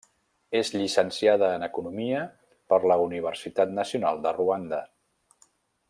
És llicenciada en economia per la Universitat Nacional de Ruanda.